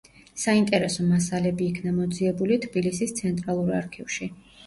საინტერესო მასალები იქნა მოძიებული თბილისის ცენტრალურ არქივში.